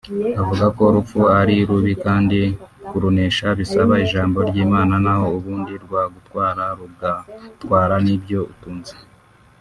Avuga ko urupfu ari rubi kandi kurunesha bisaba ijambo ry’Imana naho ubundi ‘rwagutwara rugatwara n’ibyo utunze